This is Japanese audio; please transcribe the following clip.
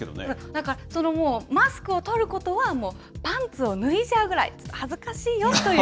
だからマスクを取ることは、もうパンツを脱いじゃうぐらい、分かります。